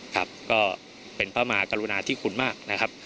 ก็เป็นพระมหากรุณาธิคุณมาก